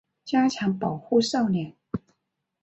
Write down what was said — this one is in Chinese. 加强保护少年